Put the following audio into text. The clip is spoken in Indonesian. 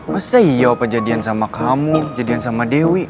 masa iya opa jadian sama kamu jadian sama dewi